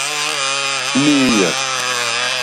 Lééyà.